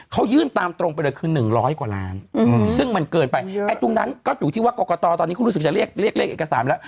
เขายื่นตามตรงไปเลยคือ๑๐๐กว่าล้านซึ่งมันเกินไปไอ้ตรงนั้นก็อยู่ที่ว่ากรกตตอนนี้เขารู้สึกจะเรียกเลขเอกสารแล้ว